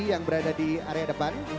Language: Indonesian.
yang berada di area depan